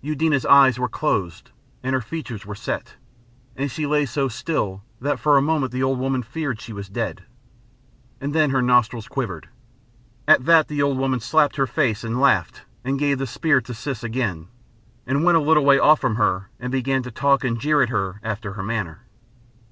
Eudena's eyes were closed and her features were set, and she lay so still that for a moment the old woman feared she was dead. And then her nostrils quivered. At that the old woman slapped her face and laughed and gave the spear to Siss again, and went a little way off from her and began to talk and jeer at her after her manner.